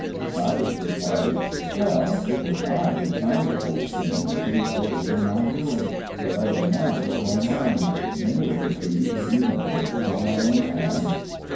Cyrus replied: 'Well, it was I who planned the whole thing these rows are my doing, the laying out is all mine; many of the trees were even planted by own hand.'